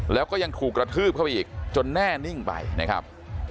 แล้วก็ยังถูกกระทืบเข้าไปอีกจนแน่นิ่งไปนะครับ